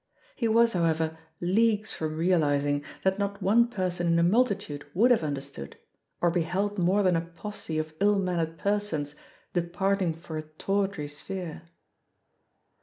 He was, how ever, leagues from realising that not one person in a multitude would have understood, or beheld more than a posse of ill mannered persons de parting for a tawdry sphere.